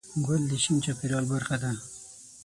ګل د شین چاپېریال برخه ده.